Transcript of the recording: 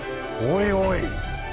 おいおい。